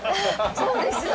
そうですよ。